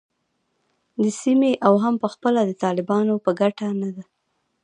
د سیمې او هم پخپله د طالبانو په ګټه نه دی